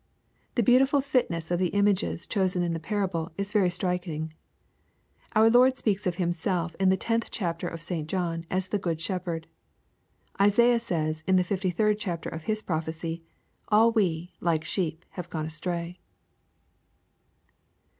The beautiful fitness of the images chosen in the parable, is very striking. Our Lord speaks of Himself in the 10th chapter of St John, as the good Shepherd. — Isaiah says, in the 53d chapter of his prophecy, *' All we, like sheep, have gone astray."